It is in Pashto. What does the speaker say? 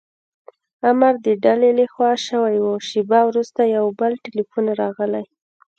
امر د ډلې له خوا شوی و، شېبه وروسته یو بل ټیلیفون راغلی.